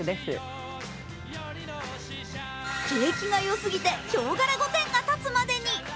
景気がよすぎて、ひょう柄御殿が建つまでに。